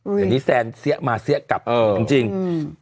เดี๋ยวนี้แซนเสี้ยมาเสี้ยกลับเออจริงจริงอืม